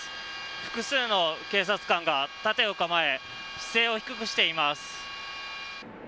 複数の警察官が盾を構え姿勢を低くしています。